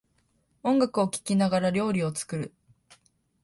音楽を聴きながら料理を作る